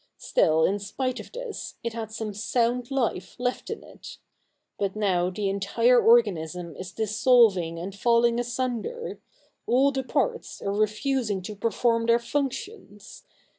Still, in spite of this, it had some sound life left in it. But now the entire organism is dissolving and falling asunder. All the parts are refusing to perform their functions.